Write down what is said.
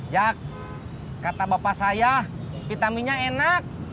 ya kata bapak saya vitaminnya enak